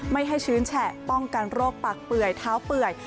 ไม่ให้ชื้นแฉะป้องกันโรคปากเปื่อยเท้าเปื่อย